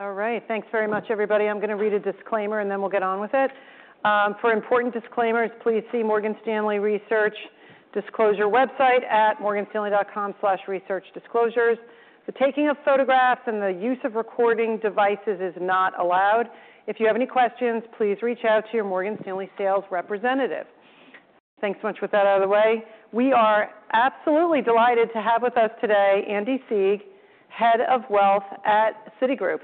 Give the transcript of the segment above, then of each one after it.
All right, thanks very much, everybody. I'm gonna read a disclaimer, and then we'll get on with it. For important disclaimers, please see Morgan Stanley Research Disclosure Website at morganstanley.com/researchdisclosures. The taking of photographs and the use of recording devices is not allowed. If you have any questions, please reach out to your Morgan Stanley sales representative. Thanks so much. With that out of the way, we are absolutely delighted to have with us today Andy Sieg, Head of Wealth at Citigroup.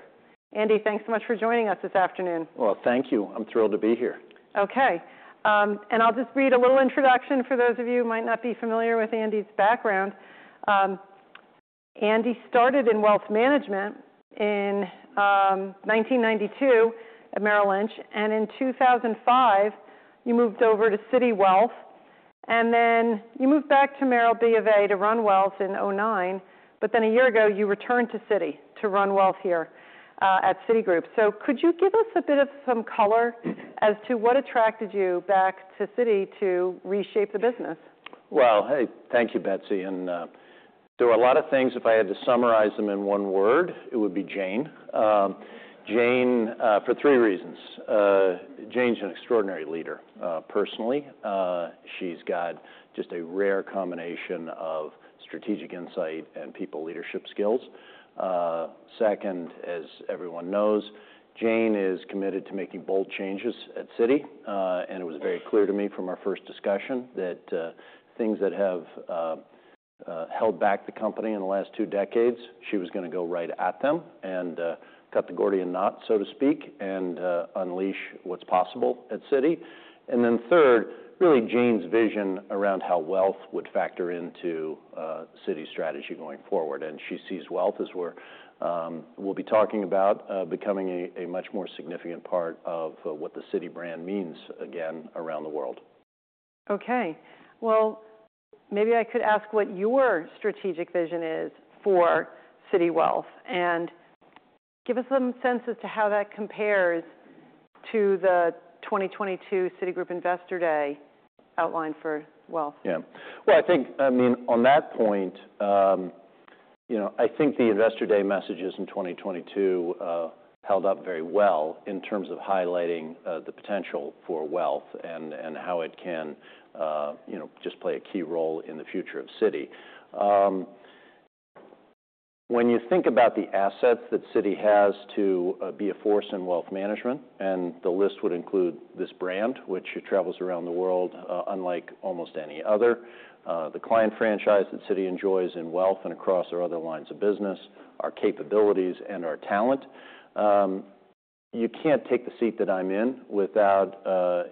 Andy, thanks so much for joining us this afternoon. Well, thank you. I'm thrilled to be here. Okay. And I'll just read a little introduction for those of you who might not be familiar with Andy's background. Andy started in wealth management in 1992 at Merrill Lynch, and in 2005, you moved over to Citi Wealth, and then you moved back to Merrill of BofA to run Wealth in 2009. But then a year ago, you returned to Citi to run Wealth here, at Citigroup. So could you give us a bit of some color as to what attracted you back to Citi to reshape the business? Well, hey, thank you, Betsy, and there were a lot of things. If I had to summarize them in one word, it would be Jane. Jane, for three reasons. Jane's an extraordinary leader, personally. She's got just a rare combination of strategic insight and people leadership skills. Second, as everyone knows, Jane is committed to making bold changes at Citi, and it was very clear to me from our first discussion that things that have held back the company in the last two decades, she was gonna go right at them and cut the Gordian knot, so to speak, and unleash what's possible at Citi. And then third, really, Jane's vision around how wealth would factor into Citi's strategy going forward, and she sees wealth as we're... We'll be talking about becoming a much more significant part of what the Citi brand means again around the world. Okay. Well, maybe I could ask what your strategic vision is for Citi Wealth, and give us some sense as to how that compares to the 2022 Citigroup Investor Day outline for wealth. Yeah. Well, I think, I mean, on that point, you know, I think the Investor Day messages in 2022 held up very well in terms of highlighting the potential for wealth and, and how it can, you know, just play a key role in the future of Citi. When you think about the assets that Citi has to be a force in wealth management, and the list would include this brand, which it travels around the world, unlike almost any other, the client franchise that Citi enjoys in wealth and across our other lines of business, our capabilities and our talent. You can't take the seat that I'm in without,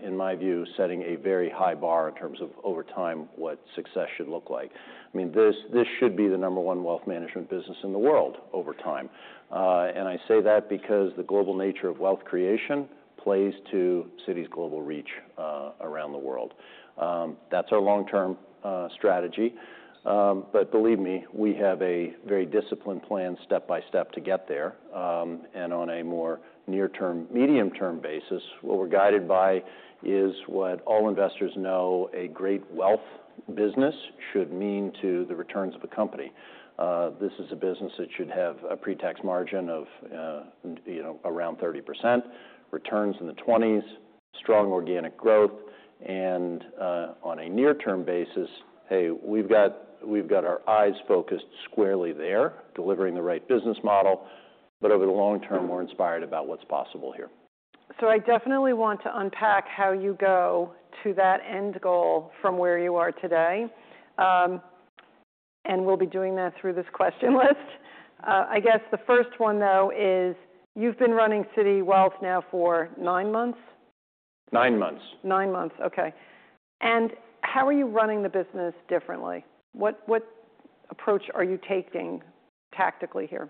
in my view, setting a very high bar in terms of, over time, what success should look like. I mean, this, this should be the number one wealth management business in the world over time, and I say that because the global nature of wealth creation plays to Citi's global reach, around the world. That's our long-term strategy. But believe me, we have a very disciplined plan, step by step, to get there. And on a more near-term, medium-term basis, what we're guided by is what all investors know a great wealth business should mean to the returns of a company. This is a business that should have a pre-tax margin of, you know, around 30%, returns in the 20s, strong organic growth, and, on a near-term basis, hey, we've got, we've got our eyes focused squarely there, delivering the right business model. But over the long term, we're inspired about what's possible here. So I definitely want to unpack how you go to that end goal from where you are today, and we'll be doing that through this question list. I guess the first one, though, is, you've been running Citi Wealth now for nine months? Nine months. Nine months, okay. How are you running the business differently? What, what approach are you taking tactically here?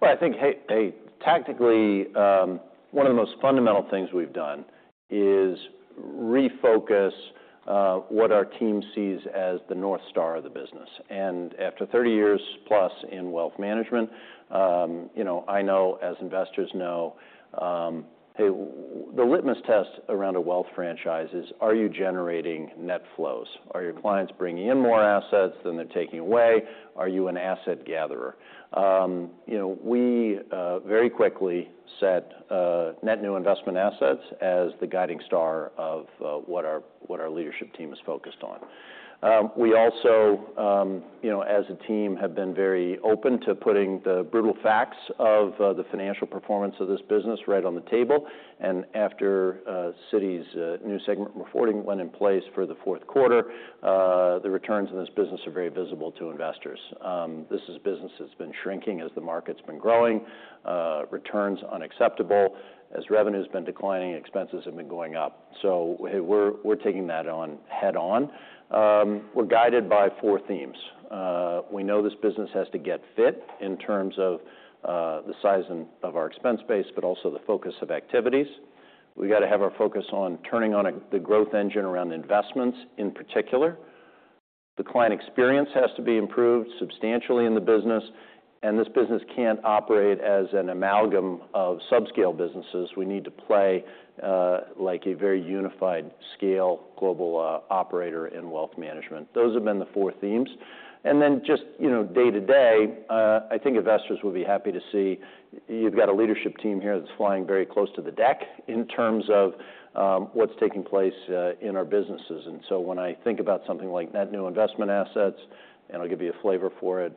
Well, I think, hey, tactically, one of the most fundamental things we've done is refocus what our team sees as the North Star of the business. After 30 years plus in wealth management, you know, I know, as investors know, hey, the litmus test around a wealth franchise is, are you generating net flows? Are your clients bringing in more assets than they're taking away? Are you an asset gatherer? You know, we very quickly set net new investment assets as the guiding star of what our leadership team is focused on. We also, you know, as a team, have been very open to putting the brutal facts of the financial performance of this business right on the table. And after, Citi's new segment reporting went in place for the fourth quarter, the returns in this business are very visible to investors. This is a business that's been shrinking as the market's been growing, returns unacceptable. As revenue has been declining, expenses have been going up, so we're taking that on, head-on. We're guided by four themes. We know this business has to get fit in terms of, the size and, of our expense base, but also the focus of activities. We've got to have our focus on turning on the growth engine around investments in particular... The client experience has to be improved substantially in the business, and this business can't operate as an amalgam of subscale businesses. We need to play, like a very unified scale, global, operator in wealth management. Those have been the four themes. And then just, you know, day-to-day, I think investors will be happy to see you've got a leadership team here that's flying very close to the deck in terms of what's taking place in our businesses. And so when I think about something like net new investment assets, and I'll give you a flavor for it,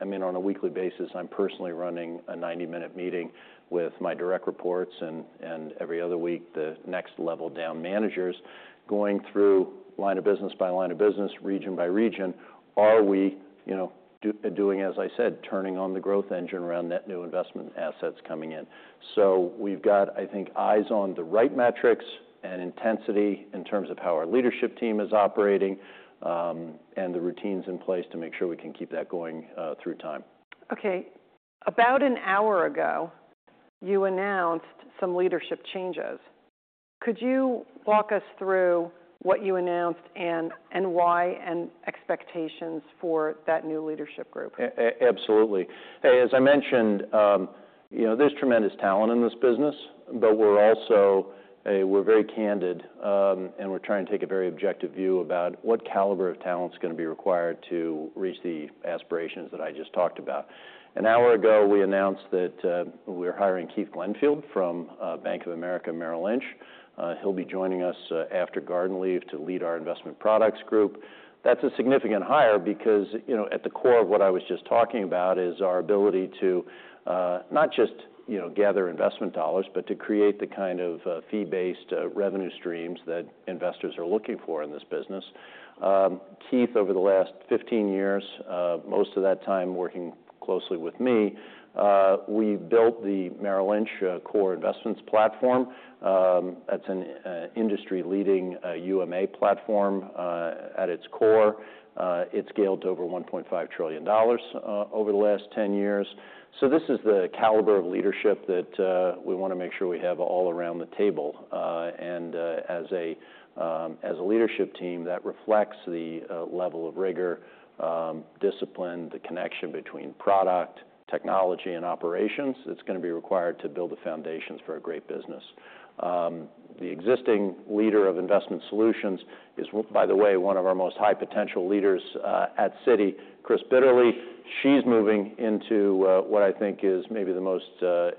I mean, on a weekly basis, I'm personally running a 90-minute meeting with my direct reports, and every other week, the next level down managers, going through line of business by line of business, region by region, are we, you know, doing as I said, turning on the growth engine around net new investment assets coming in? So we've got, I think, eyes on the right metrics and intensity in terms of how our leadership team is operating, and the routines in place to make sure we can keep that going, through time. Okay. About an hour ago, you announced some leadership changes. Could you walk us through what you announced and, and why, and expectations for that new leadership group? Absolutely. Hey, as I mentioned, you know, there's tremendous talent in this business, but we're also very candid, and we're trying to take a very objective view about what caliber of talent's gonna be required to reach the aspirations that I just talked about. An hour ago, we announced that we're hiring Keith Glenfield from Bank of America, Merrill Lynch. He'll be joining us after garden leave to lead our investment products group. That's a significant hire because, you know, at the core of what I was just talking about is our ability to not just, you know, gather investment dollars, but to create the kind of fee-based revenue streams that investors are looking for in this business. Keith, over the last 15 years, most of that time working closely with me, we built the Merrill Lynch Core Investments platform. That's an industry-leading UMA platform. At its core, it scaled to over $1.5 trillion over the last 10 years. So this is the caliber of leadership that we wanna make sure we have all around the table. And as a leadership team, that reflects the level of rigor, discipline, the connection between product, technology, and operations that's gonna be required to build the foundations for a great business. The existing leader of Investment Solutions is, by the way, one of our most high-potential leaders at Citi, Kris Bitterly. She's moving into what I think is maybe the most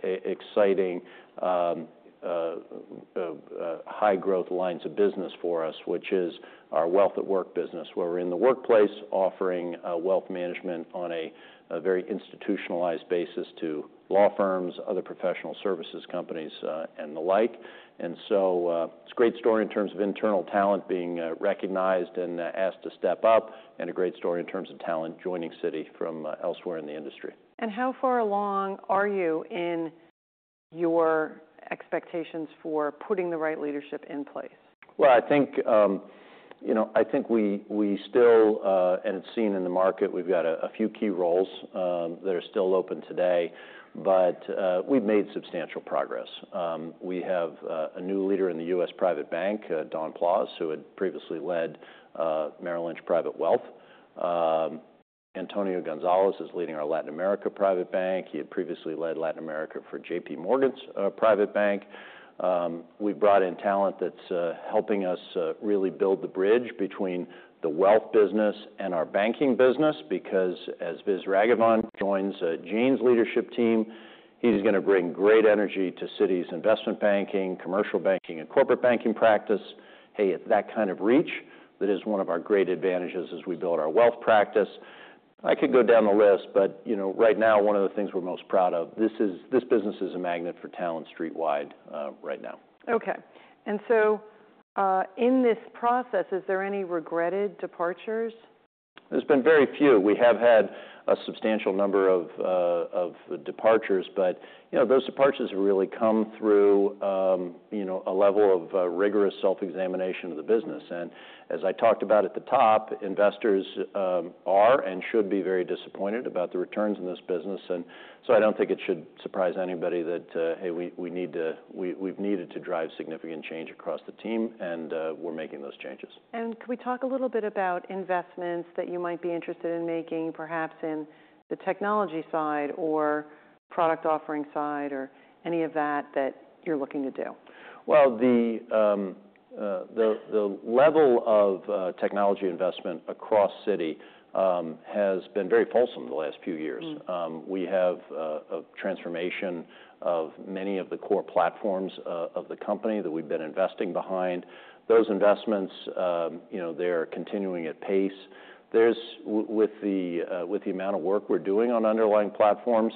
exciting high-growth lines of business for us, which is our Wealth at Work business, where we're in the workplace, offering wealth management on a very institutionalized basis to law firms, other professional services companies, and the like. And so, it's a great story in terms of internal talent being recognized and asked to step up, and a great story in terms of talent joining Citi from elsewhere in the industry. How far along are you in your expectations for putting the right leadership in place? Well, I think, you know, I think we, we still... And it's seen in the market, we've got a few key roles that are still open today, but we've made substantial progress. We have a new leader in the U.S. Private Bank, Don Plaus, who had previously led Merrill Lynch Private Wealth. Antonio Gonzalez is leading our Latin America Private Bank. He had previously led Latin America for J.P. Morgan's private bank. We've brought in talent that's helping us really build the bridge between the wealth business and our banking business, because as Viswas Raghavan joins Jane's leadership team, he's gonna bring great energy to Citi's investment banking, commercial banking, and corporate banking practice. Hey, it's that kind of reach that is one of our great advantages as we build our wealth practice. I could go down the list, but, you know, right now, one of the things we're most proud of, this business is a magnet for talent Street-wide, right now. Okay. In this process, is there any regretted departures? There's been very few. We have had a substantial number of departures, but, you know, those departures have really come through, you know, a level of rigorous self-examination of the business. And as I talked about at the top, investors are and should be very disappointed about the returns in this business, and so I don't think it should surprise anybody that, hey, we need to—we've needed to drive significant change across the team, and we're making those changes. Could we talk a little bit about investments that you might be interested in making, perhaps in the technology side or product offering side or any of that, that you're looking to do? Well, the level of technology investment across Citi has been very wholesome in the last few years. Mm. We have a transformation of many of the core platforms of the company that we've been investing behind. Those investments, you know, they are continuing at pace. With the amount of work we're doing on underlying platforms,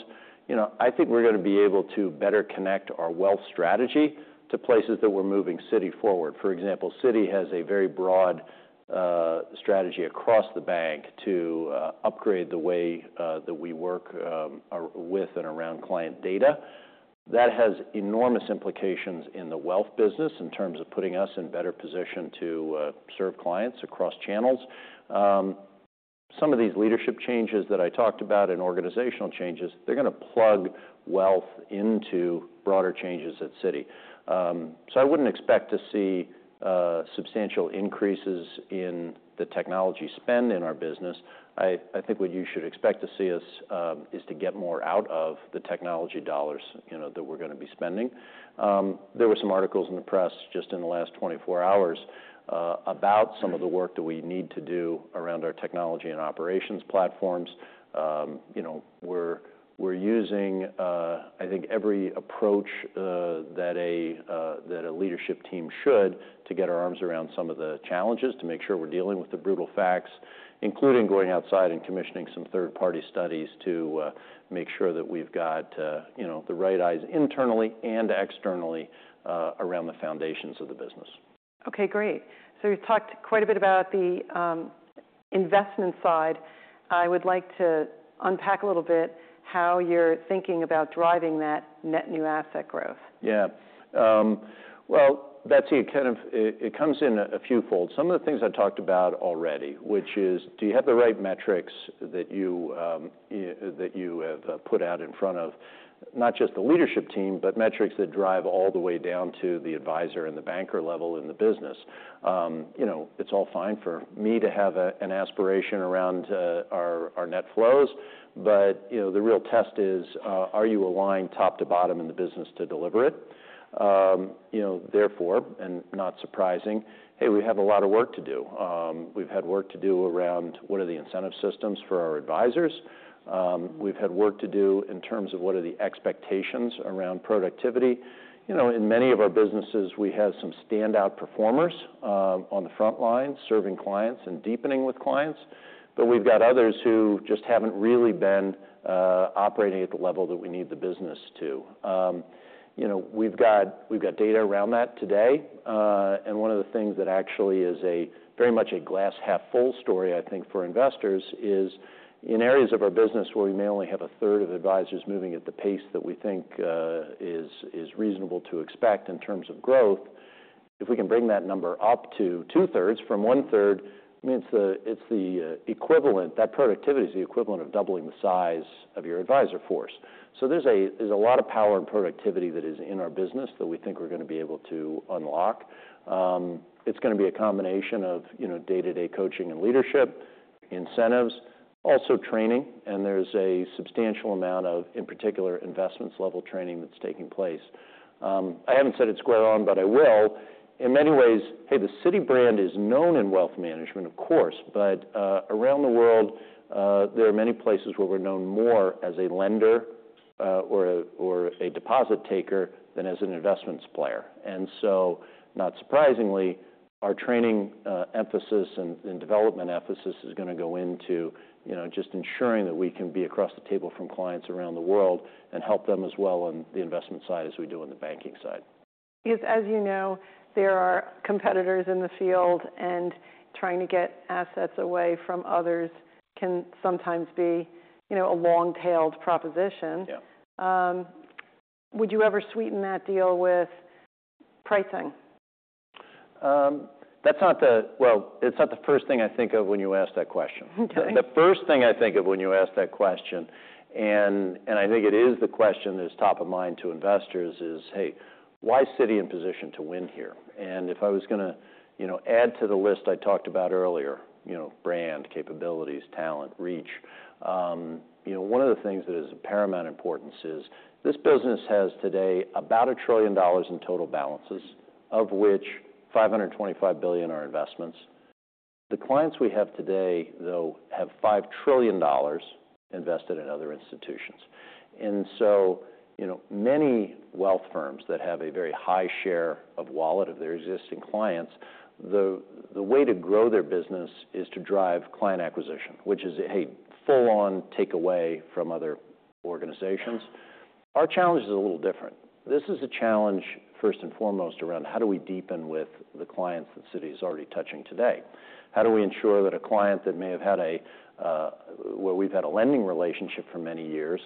you know, I think we're gonna be able to better connect our wealth strategy to places that we're moving Citi forward. For example, Citi has a very broad strategy across the bank to upgrade the way that we work with and around client data. That has enormous implications in the wealth business in terms of putting us in better position to serve clients across channels. Some of these leadership changes that I talked about, and organizational changes, they're gonna plug wealth into broader changes at Citi. So I wouldn't expect to see substantial increases in the technology spend in our business. I think what you should expect to see us is to get more out of the technology dollars, you know, that we're gonna be spending. There were some articles in the press just in the last 24 hours about some of the work that we need to do around our technology and operations platforms. You know, we're using, I think, every approach that a leadership team should to get our arms around some of the challenges, to make sure we're dealing with the brutal facts, including going outside and commissioning some third-party studies to make sure that we've got, you know, the right eyes internally and externally around the foundations of the business. Okay, great. So you've talked quite a bit about the, investment side. I would like to unpack a little bit how you're thinking about driving that net new asset growth. Yeah. Well, Betsy, it comes in a fewfold. Some of the things I've talked about already, which is, do you have the right metrics that you have put out in front of not just the leadership team, but metrics that drive all the way down to the advisor and the banker level in the business? You know, it's all fine for me to have an aspiration around our net flows, but you know, the real test is, are you aligned top to bottom in the business to deliver it? You know, therefore, and not surprising, hey, we have a lot of work to do. We've had work to do around, what are the incentive systems for our advisors? We've had work to do in terms of, what are the expectations around productivity? You know, in many of our businesses, we have some standout performers, on the front line, serving clients and deepening with clients, but we've got others who just haven't really been, operating at the level that we need the business to. You know, we've got, we've got data around that today, and one of the things that actually is a very much a glass half full story, I think, for investors, is in areas of our business where we may only have a third of advisors moving at the pace that we think is reasonable to expect in terms of growth, if we can bring that number up to two-thirds from one-third. I mean, it's the equivalent. That productivity is the equivalent of doubling the size of your advisor force. So there's a lot of power and productivity that is in our business that we think we're gonna be able to unlock. It's gonna be a combination of, you know, day-to-day coaching and leadership, incentives, also training, and there's a substantial amount of, in particular, investments-level training that's taking place. I haven't said it square on, but I will. In many ways, hey, the Citi brand is known in wealth management, of course, but around the world, there are many places where we're known more as a lender or a deposit taker than as an investments player. And so, not surprisingly, our training emphasis and development emphasis is gonna go into, you know, just ensuring that we can be across the table from clients around the world, and help them as well on the investment side as we do on the banking side. Because as you know, there are competitors in the field, and trying to get assets away from others can sometimes be, you know, a long-tailed proposition. Yeah. Would you ever sweeten that deal with pricing? That's not the... Well, it's not the first thing I think of when you ask that question. Okay. The first thing I think of when you ask that question, and I think it is the question that is top of mind to investors, is, "Hey, why is Citi in position to win here?" And if I was gonna, you know, add to the list I talked about earlier, you know, brand, capabilities, talent, reach, you know, one of the things that is of paramount importance is, this business has today about $1 trillion in total balances, of which $525 billion are investments. The clients we have today, though, have $5 trillion invested in other institutions. And so, you know, many wealth firms that have a very high share of wallet of their existing clients, the way to grow their business is to drive client acquisition, which is a, hey, full-on takeaway from other organizations. Our challenge is a little different. This is a challenge, first and foremost, around how do we deepen with the clients that Citi is already touching today? How do we ensure that a client that may have had a where we've had a lending relationship for many years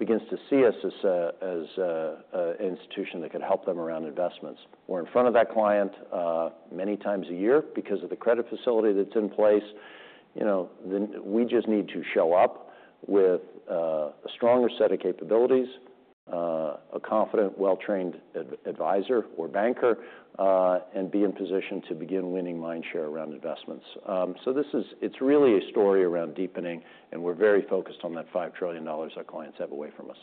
begins to see us as an institution that could help them around investments? We're in front of that client many times a year because of the credit facility that's in place. You know, then we just need to show up with a stronger set of capabilities, a confident, well-trained advisor or banker, and be in position to begin winning mind share around investments. So it's really a story around deepening, and we're very focused on that $5 trillion our clients have away from us.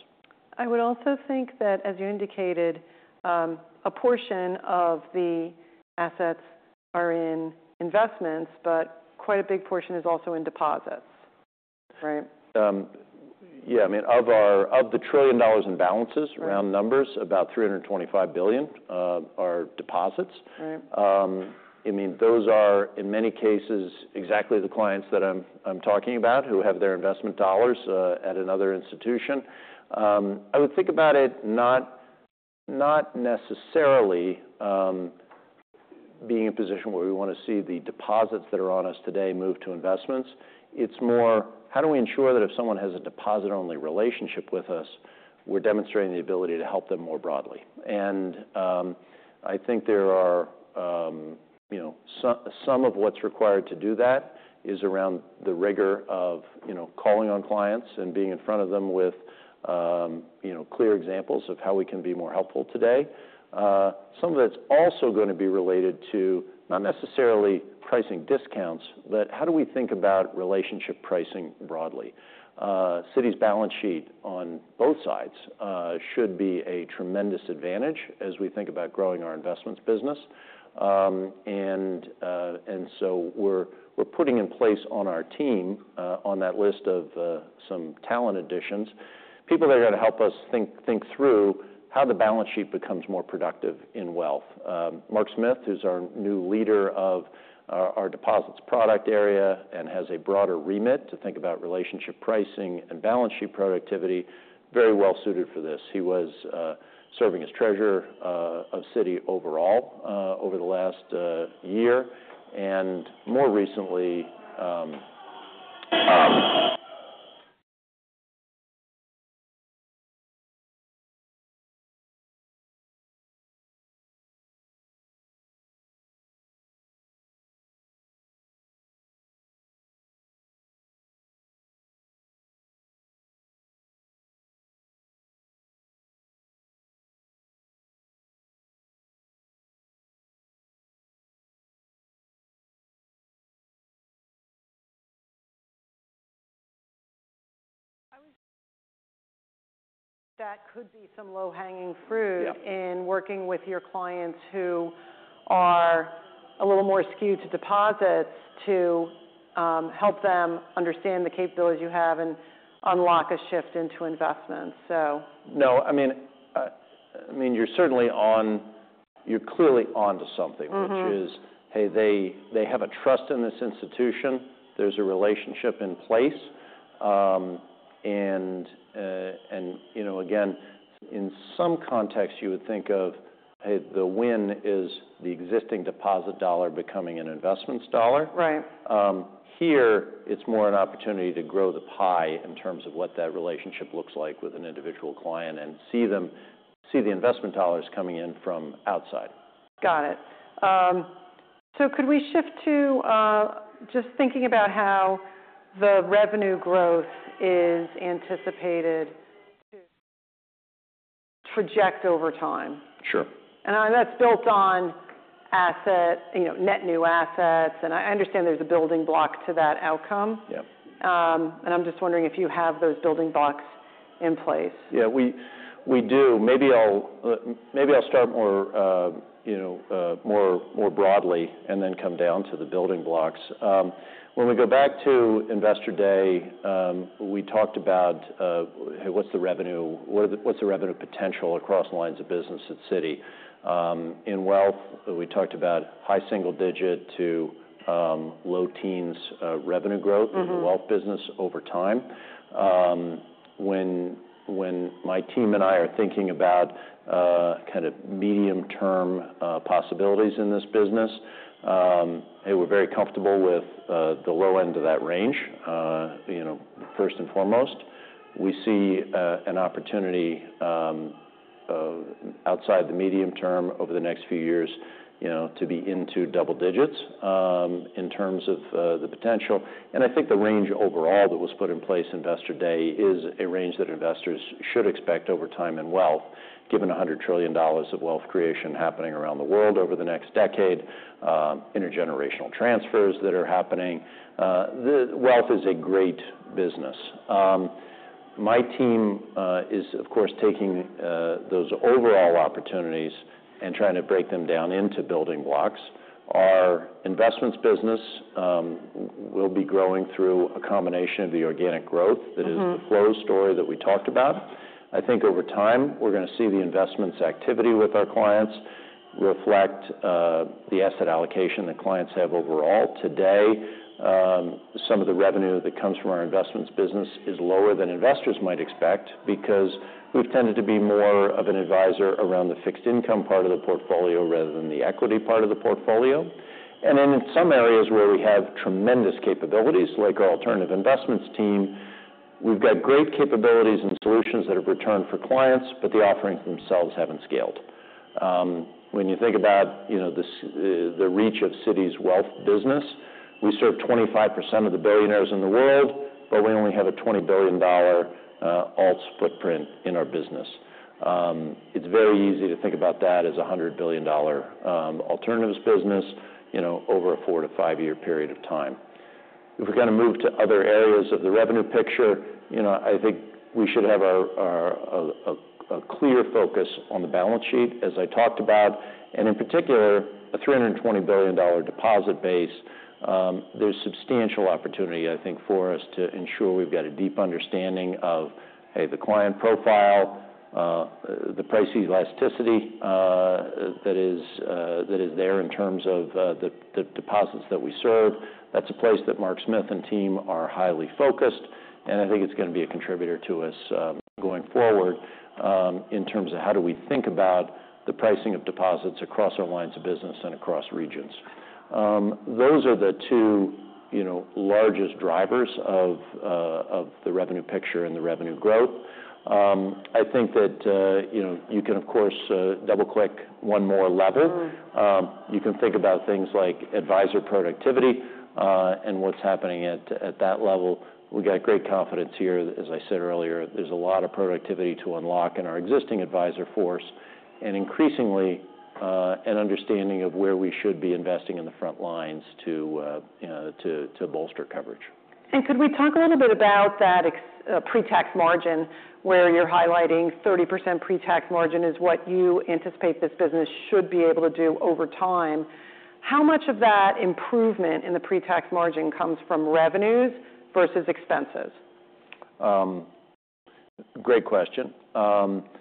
I would also think that, as you indicated, a portion of the assets are in investments, but quite a big portion is also in deposits, right? Yeah, I mean, of the $1 trillion in balances- Right... round numbers, about $325 billion are deposits. Right. I mean, those are, in many cases, exactly the clients that I'm talking about, who have their investment dollars at another institution. I would think about it not necessarily being in a position where we want to see the deposits that are on us today move to investments. It's more- Right ... how do we ensure that if someone has a deposit-only relationship with us, we're demonstrating the ability to help them more broadly? And, I think there are, you know, some of what's required to do that is around the rigor of, you know, calling on clients and being in front of them with, you know, clear examples of how we can be more helpful today. Some of that's also gonna be related to, not necessarily pricing discounts, but how do we think about relationship pricing broadly? Citi's balance sheet on both sides should be a tremendous advantage as we think about growing our investments business. So we're putting in place, on our team, on that list of some talent additions, people that are gonna help us think through how the balance sheet becomes more productive in wealth. Mark Smith, who's our new leader of our deposits product area and has a broader remit to think about relationship pricing and balance sheet productivity, very well suited for this. He was serving as treasurer of Citi overall over the last year, and more recently, That could be some low-hanging fruit. Yeah - in working with your clients who are a little more skewed to deposits, to, help them understand the capabilities you have and unlock a shift into investments. So- No, I mean, you're certainly on-- You're clearly onto something- Mm-hmm... which is, hey, they have a trust in this institution. There's a relationship in place. And you know, again, in some contexts, you would think of, hey, the win is the existing deposit dollar becoming an investments dollar. Right. Here, it's more an opportunity to grow the pie in terms of what that relationship looks like with an individual client and see the investment dollars coming in from outside. Got it. So could we shift to just thinking about how the revenue growth is anticipated to project over time? Sure. That's built on asset, you know, net new assets, and I understand there's a building block to that outcome. Yeah. I'm just wondering if you have those building blocks in place? Yeah, we do. Maybe I'll start more broadly, you know, and then come down to the building blocks. When we go back to Investor Day, we talked about what's the revenue potential across lines of business at Citi. In wealth, we talked about high single-digit to low-teens revenue growth- Mm-hmm... in the wealth business over time. When my team and I are thinking about kind of medium-term possibilities in this business, hey, we're very comfortable with the low end of that range. You know, first and foremost, we see an opportunity outside the medium term over the next few years, you know, to be into double digits in terms of the potential. And I think the range overall that was put in place, Investor Day, is a range that investors should expect over time in wealth, given $100 trillion of wealth creation happening around the world over the next decade, intergenerational transfers that are happening. The wealth is a great business. My team is, of course, taking those overall opportunities and trying to break them down into building blocks. Our investments business will be growing through a combination of the organic growth- Mm-hmm... that is the flow story that we talked about. I think over time, we're gonna see the investments activity with our clients reflect the asset allocation that clients have overall. Today, some of the revenue that comes from our investments business is lower than investors might expect because we've tended to be more of an advisor around the fixed income part of the portfolio, rather than the equity part of the portfolio. And then in some areas where we have tremendous capabilities, like our alternative investments team, we've got great capabilities and solutions that have returned for clients, but the offerings themselves haven't scaled. When you think about, you know, the reach of Citi's wealth business, we serve 25% of the billionaires in the world, but we only have a $20 billion alts footprint in our business. It's very easy to think about that as a $100 billion alternatives business, you know, over a 4-5-year period of time. If we're gonna move to other areas of the revenue picture, you know, I think we should have a clear focus on the balance sheet, as I talked about, and in particular, a $320 billion deposit base. There's substantial opportunity, I think, for us to ensure we've got a deep understanding of the client profile, the price elasticity that is there in terms of the deposits that we serve. That's a place that Mark Smith and team are highly focused, and I think it's gonna be a contributor to us going forward in terms of how do we think about the pricing of deposits across our lines of business and across regions. Those are the two, you know, largest drivers of the revenue picture and the revenue growth. I think that you know, you can, of course, double-click one more lever. You can think about things like advisor productivity and what's happening at that level. We've got great confidence here. As I said earlier, there's a lot of productivity to unlock in our existing advisor force, and increasingly an understanding of where we should be investing in the front lines to you know, to bolster coverage. Could we talk a little bit about that pre-tax margin, where you're highlighting 30% pre-tax margin is what you anticipate this business should be able to do over time? How much of that improvement in the pre-tax margin comes from revenues versus expenses? Great question. The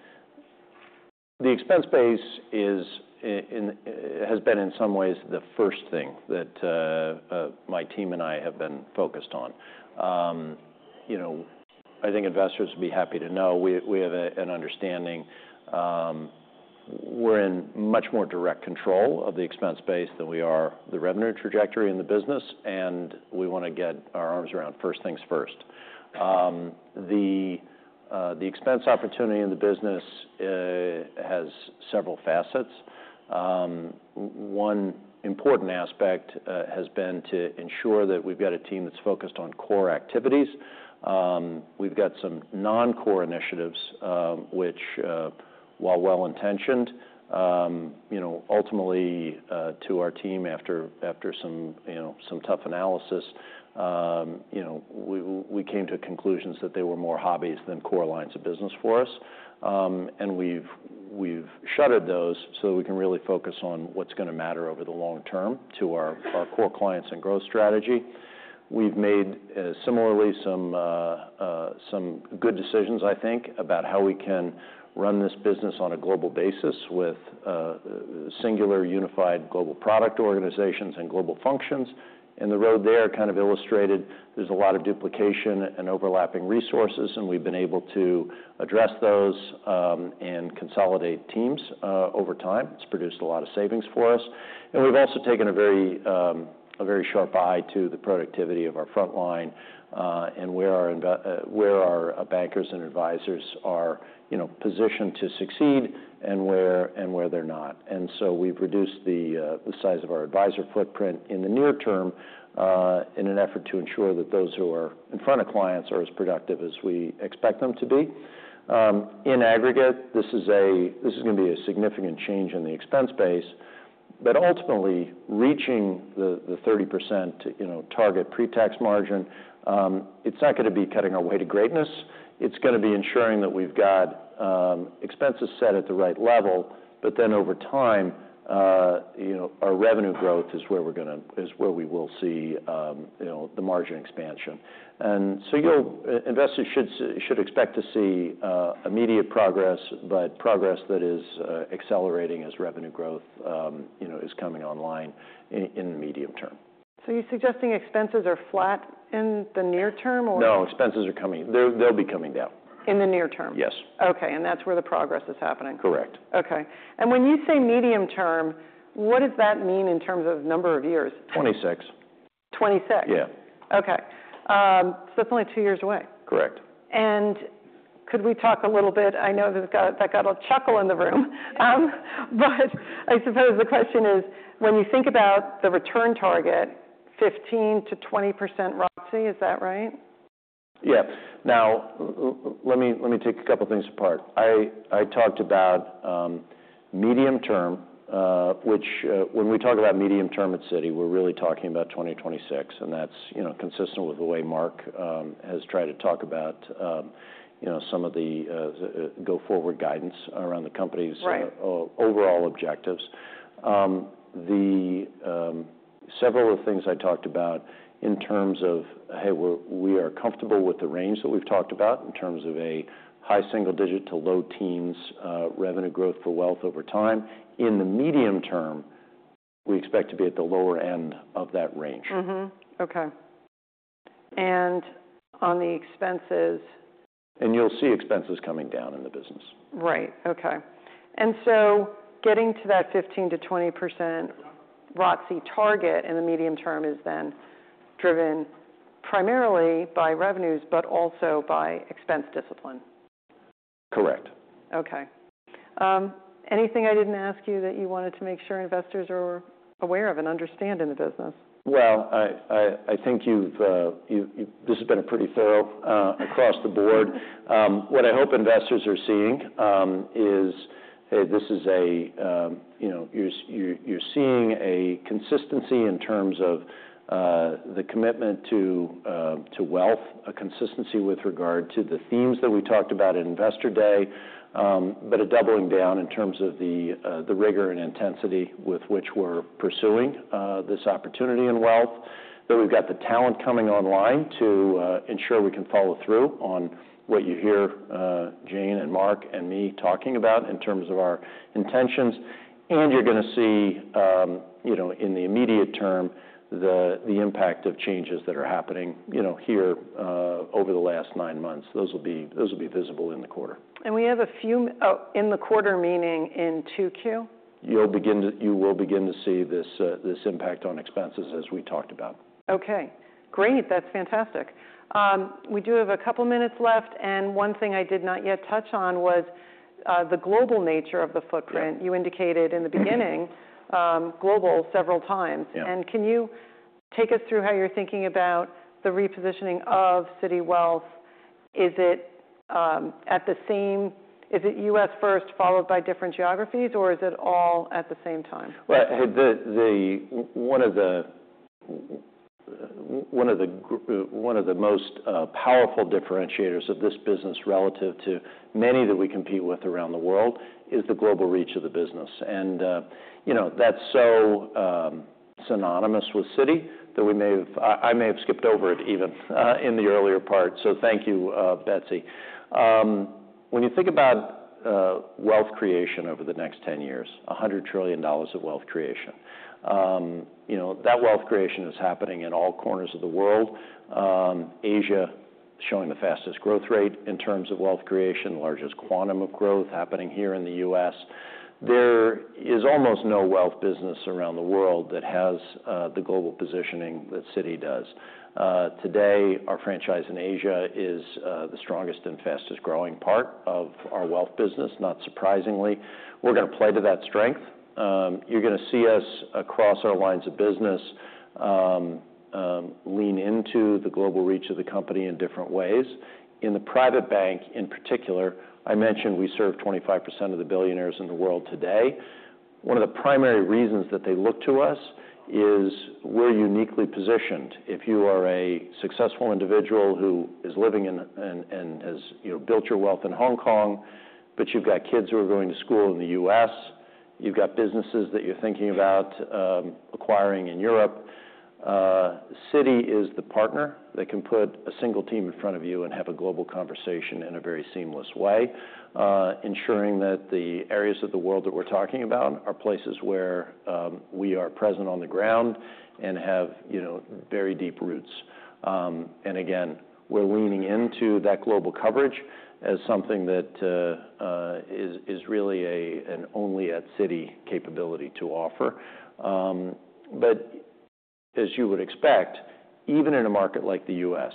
expense base is, has been, in some ways, the first thing that, my team and I have been focused on. You know, I think investors would be happy to know we, we have a, an understanding. We're in much more direct control of the expense base than we are the revenue trajectory in the business, and we want to get our arms around first things first. The, the expense opportunity in the business, has several facets. One important aspect, has been to ensure that we've got a team that's focused on core activities. We've got some non-core initiatives, which, while well-intentioned, you know, ultimately, to our team, after some, you know, some tough analysis, you know, we came to conclusions that they were more hobbies than core lines of business for us. We've shuttered those so we can really focus on what's gonna matter over the long term to our core clients and growth strategy. We've made, similarly, some good decisions, I think, about how we can run this business on a global basis with singular, unified global product organizations and global functions. The road there kind of illustrated there's a lot of duplication and overlapping resources, and we've been able to address those and consolidate teams over time. It's produced a lot of savings for us. And we've also taken a very sharp eye to the productivity of our front line, and where our bankers and advisors are, you know, positioned to succeed and where they're not. So we've reduced the size of our advisor footprint in the near term, in an effort to ensure that those who are in front of clients are as productive as we expect them to be. In aggregate, this is gonna be a significant change in the expense base. But ultimately, reaching the 30% target pre-tax margin, it's not gonna be cutting our way to greatness. It's gonna be ensuring that we've got expenses set at the right level, but then, over time, you know, our revenue growth is where we will see, you know, the margin expansion. And so, you know, investors should expect to see immediate progress, but progress that is accelerating as revenue growth, you know, is coming online in the medium term. You're suggesting expenses are flat in the near term, or? No, expenses are coming... They're, they'll be coming down. In the near term? Yes. Okay, and that's where the progress is happening? Correct. Okay. When you say medium term, what does that mean in terms of number of years? Twenty-six. Twenty-six? Yeah. Okay. So that's only two years away. Correct. Could we talk a little bit... I know that has got, that got a chuckle in the room. But I suppose the question is, when you think about the return target, 15%-20% ROTCE, is that right? Yeah. Now, let me take a couple things apart. I talked about medium term, which, when we talk about medium term at Citi, we're really talking about 2026, and that's, you know, consistent with the way Mark has tried to talk about, you know, some of the go forward guidance around the company's- Right... overall objectives. Several of the things I talked about in terms of, hey, we are comfortable with the range that we've talked about in terms of a high single-digit to low-teens revenue growth for wealth over time. In the medium term, we expect to be at the lower end of that range. Mm-hmm. Okay. And on the expenses? You'll see expenses coming down in the business. Right. Okay. And so getting to that 15%-20% ROTCE target in the medium term is then driven primarily by revenues, but also by expense discipline? Correct. Okay. Anything I didn't ask you that you wanted to make sure investors are aware of and understand in the business? Well, I think you've-- this has been pretty thorough across the board. What I hope investors are seeing is this is a, you know, you're seeing a consistency in terms of the commitment to wealth, a consistency with regard to the themes that we talked about at Investor Day. But a doubling down in terms of the rigor and intensity with which we're pursuing this opportunity in wealth. That we've got the talent coming online to ensure we can follow through on what you hear Jane and Mark, and me talking about in terms of our intentions, and you're gonna see... You know, in the immediate term, the impact of changes that are happening, you know, here, over the last nine months, those will be visible in the quarter. Oh, in the quarter, meaning in 2Q? You will begin to see this impact on expenses, as we talked about. Okay, great! That's fantastic. We do have a couple minutes left, and one thing I did not yet touch on was the global nature of the footprint. Yeah. You indicated in the beginning, global several times. Yeah. Can you take us through how you're thinking about the repositioning of Citi Wealth? Is it U.S. first, followed by different geographies, or is it all at the same time? Well, one of the most powerful differentiators of this business, relative to many that we compete with around the world, is the global reach of the business. And, you know, that's so synonymous with Citi, that we may have—I may have skipped over it, even, in the earlier part, so thank you, Betsy. When you think about wealth creation over the next 10 years, $100 trillion of wealth creation, you know, that wealth creation is happening in all corners of the world. Asia showing the fastest growth rate in terms of wealth creation, the largest quantum of growth happening here in the U.S. There is almost no wealth business around the world that has the global positioning that Citi does. Today, our franchise in Asia is the strongest and fastest-growing part of our wealth business, not surprisingly. We're gonna play to that strength. You're gonna see us, across our lines of business, lean into the global reach of the company in different ways. In the private bank, in particular, I mentioned we serve 25% of the billionaires in the world today. One of the primary reasons that they look to us is we're uniquely positioned. If you are a successful individual who is living in and has, you know, built your wealth in Hong Kong, but you've got kids who are going to school in the U.S., you've got businesses that you're thinking about acquiring in Europe, Citi is the partner that can put a single team in front of you and have a global conversation in a very seamless way. Ensuring that the areas of the world that we're talking about are places where we are present on the ground and have, you know, very deep roots. And again, we're leaning into that global coverage as something that is really an only at Citi capability to offer. But as you would expect, even in a market like the U.S.,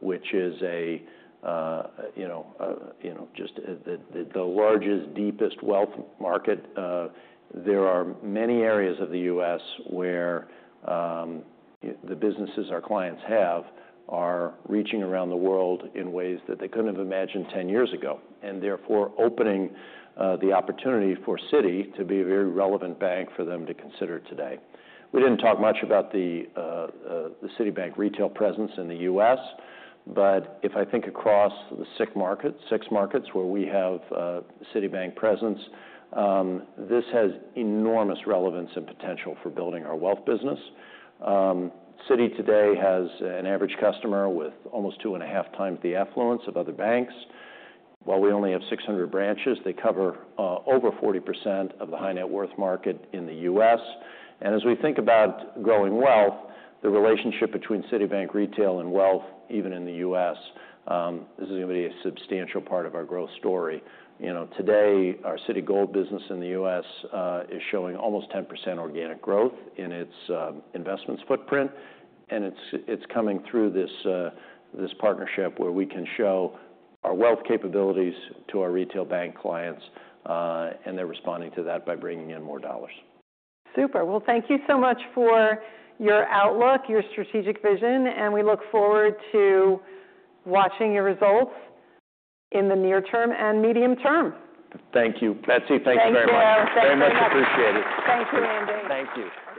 which is a you know just the largest, deepest wealth market, there are many areas of the U.S. where the businesses our clients have are reaching around the world in ways that they couldn't have imagined ten years ago, and therefore, opening the opportunity for Citi to be a very relevant bank for them to consider today. We didn't talk much about the Citibank Retail presence in the U.S., but if I think across the six markets where we have Citibank presence, this has enormous relevance and potential for building our wealth business. Citi today has an average customer with almost 2.5 times the affluence of other banks. While we only have 600 branches, they cover over 40% of the high net worth market in the U.S. As we think about growing wealth, the relationship between Citibank Retail and Wealth, even in the U.S., this is gonna be a substantial part of our growth story. You know, today, our Citigold business in the U.S., is showing almost 10% organic growth in its, investments footprint, and it's coming through this, this partnership, where we can show our wealth capabilities to our retail bank clients, and they're responding to that by bringing in more dollars. Super. Well, thank you so much for your outlook, your strategic vision, and we look forward to watching your results in the near term and medium term. Thank you, Betsy. Thank you very much. Thank you. Very much appreciated. Thank you, Andy. Thank you. Okay.